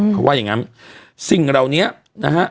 เขาว่าอย่างงั้นสิ่งเหล่านี้นะฮะ